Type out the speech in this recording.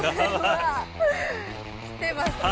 きてますね